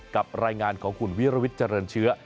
รายงานของคุณวิรวิทย์เจริญเชื้อ